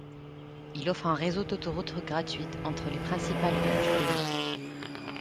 Il offre un réseau d'autoroutes gratuites entre les principales villes du pays.